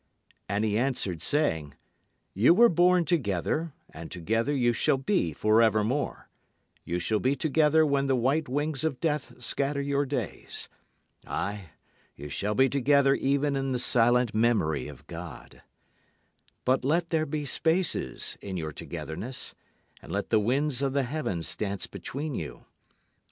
And he answered saying: You were born together, and together you shall be forevermore. You shall be together when the white wings of death scatter your days. Aye, you shall be together even in the silent memory of God. But let there be spaces in your togetherness, And let the winds of the heavens dance between you.